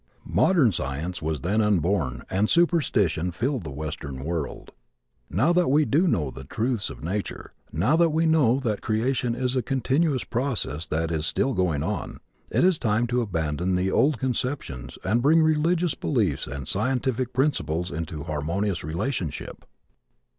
Modern science was then unborn and superstition filled the western world. Now that we do know the truths of nature, now that we know that creation is a continuous process that is still going on, it is time to abandon the old conceptions and bring religious beliefs and scientific principles into harmonious relationship.